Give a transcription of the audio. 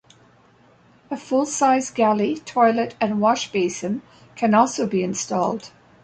A full-sized galley, toilet and washbasin can also be installed.